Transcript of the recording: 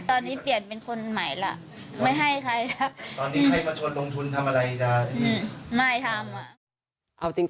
ตอนนี้เปลี่ยนเป็นคนใหม่แล้ว